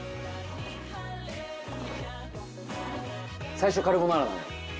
最初カルボナーラなのよ。